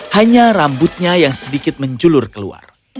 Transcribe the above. hanya rambutnya yang sedikit menjulur keluar